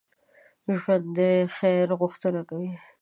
ژوندي د خیر غوښتنه کوي